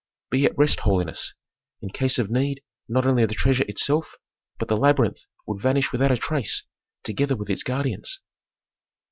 "Be at rest, holiness. In case of need not only the treasure itself, but the labyrinth would vanish without a trace, together with its guardians."